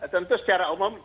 tentu secara umum